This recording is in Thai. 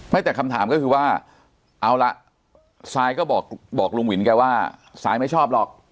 แต่คำถามก็คือว่าเอาละซายก็บอกลุงวินแกว่าซายไม่ชอบหรอก